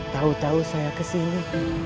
tahu tahu saya kesini